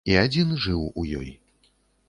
І адзін жыў у ёй.